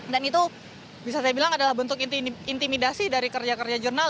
dan itu bisa saya bilang adalah bentuk inti ini